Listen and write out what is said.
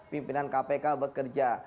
pimpinan kpk bekerja